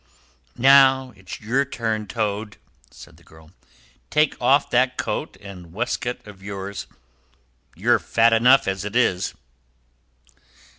"Now it's your turn, Toad," said the girl. "Take off that coat and waistcoat of yours; you're fat enough as it is."